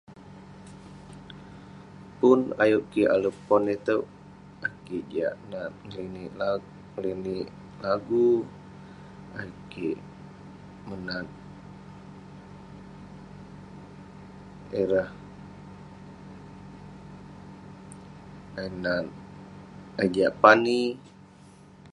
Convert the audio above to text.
Pun ayuk kik ale pon itouk, ayuk kik jiak nat ninik la- ninik lagu. Ayuk kik menat ireh- menat- ayuk jiak pani.